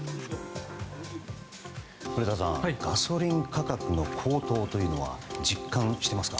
古田さん、ガソリン価格の高騰というのは実感していますか？